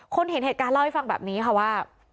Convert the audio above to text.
เห็นเหตุการณ์เล่าให้ฟังแบบนี้ค่ะว่า